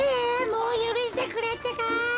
もうゆるしてくれってか。